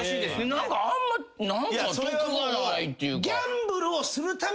何かあんま得がないっていうか。